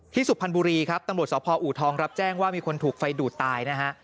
ที่สุบพันบุรีครับตังบทสภออุทองรับแจ้งว่ามีคนถูกไฟดูดตายนะฮะ